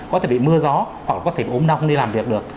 có thể bị mưa gió hoặc có thể ốm đong đi làm việc được